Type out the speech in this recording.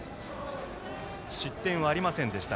失点はありませんでした